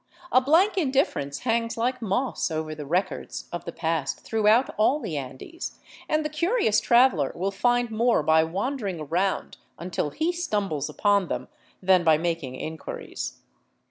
A blank indifference hangs like moss over the records of the past throughout all the Andes, and the curious traveler will find more by wandering around until he stumbles upon them, than by making inquiries.